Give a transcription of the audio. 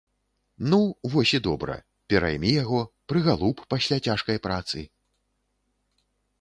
Ну, вось і добра, пераймі яго, прыгалуб пасля цяжкай працы.